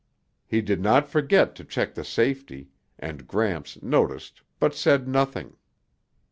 He did not forget to check the safety, and Gramps noticed but said nothing.